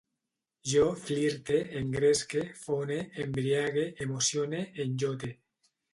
Jo flirte, engresque, fone, embriague, emocione, enllote